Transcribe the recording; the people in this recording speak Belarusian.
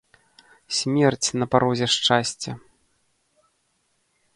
Смерць на парозе шчасця!